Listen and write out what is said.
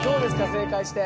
正解して。